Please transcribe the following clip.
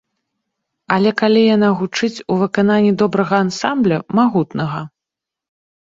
Але калі яна гучыць у выкананні добрага ансамбля, магутнага.